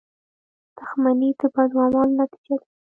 • دښمني د بدو اعمالو نتیجه ده.